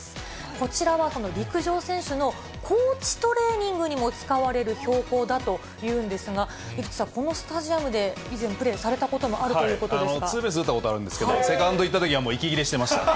こちらはこの陸上選手の高地トレーニングにも使われる標高だというんですが、井口さん、このスタジアムで以前、プレーされたことツーベース打ったことあるんですが、セカンド行ったときには、もう息切れしてました。